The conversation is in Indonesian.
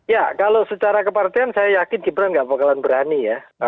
ya kalau secara kepartian saya yakin gibran nggak bakalan berani ya